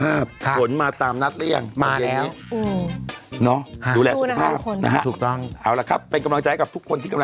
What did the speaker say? เอาละทั้งหมดทั้งมวลรักษาสุขภาพ